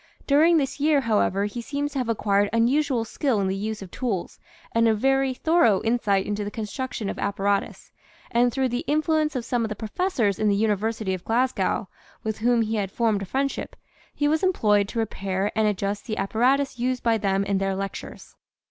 During this year, however, he seems to have acquired unusual skill in the use of tools and a very thorough insight into the construction of appa ratus, and through the influence of some of the .professors in the University of Glasgow, with whom he had formed a friendship, he was employed to repair and adjust the appa ratus used by them in their lectures.